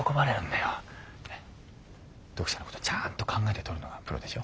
ねっ読者のことちゃんと考えて撮るのがプロでしょ。